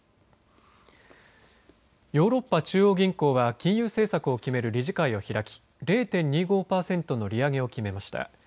ヨーロッパ中央銀行は金融政策を決める理事会を開き０．２５パーセントの利上げを決めました。